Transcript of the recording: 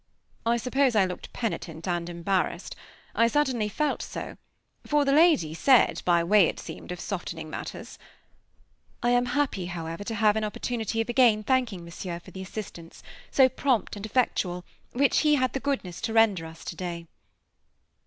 I suppose I looked penitent, and embarrassed. I certainly felt so; for the lady said, by way it seemed of softening matters, "I am happy, however, to have an opportunity of again thanking Monsieur for the assistance, so prompt and effectual, which he had the goodness to render us today."